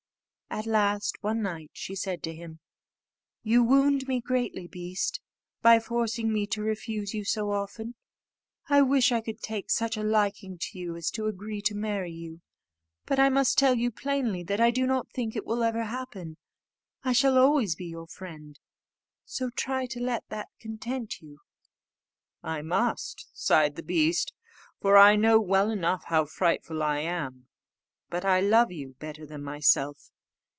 At last, one night, she said to him, "You wound me greatly, beast, by forcing me to refuse you so often; I wish I could take such a liking to you as to agree to marry you: but I must tell you plainly, that I do not think it will ever happen. I shall always be your friend; so try to let that content you." "I must," sighed the beast, "for I know well enough how frightful I am; but I love you better than myself.